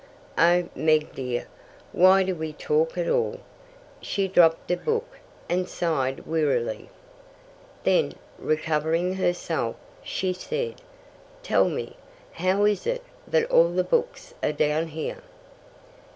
"Oh, Meg dear, why do we talk at all?" She dropped a book and sighed wearily. Then, recovering herself, she said: "Tell me, how is it that all the books are down here?"